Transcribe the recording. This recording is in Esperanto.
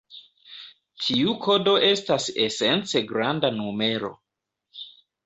Tiu kodo estas esence granda numero.